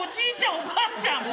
おばあちゃん